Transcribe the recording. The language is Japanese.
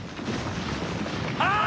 あ！